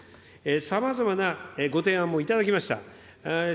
さまざまなご提案も頂きました。